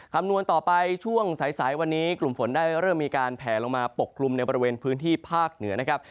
คำนวณต่อไปช่วงสายวันนี้กลุ่มฝนได้เริ่มมีการแผลลงมาปกกลุ่มในบริเวณพื้นที่ภาคเหนือนะครับ